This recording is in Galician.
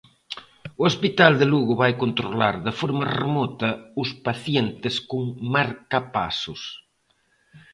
O hospital de Lugo vai controlar de forma remota os pacientes con marcapasos.